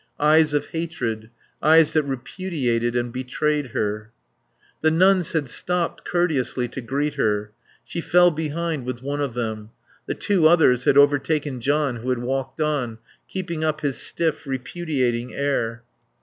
Eyes of hatred, eyes that repudiated and betrayed her. The nuns had stopped, courteously, to greet her; she fell behind with one of them; the two others had overtaken John who had walked on, keeping up his stiff, repudiating air.